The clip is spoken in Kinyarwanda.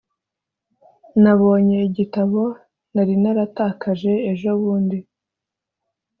nabonye igitabo nari natakaje ejobundi.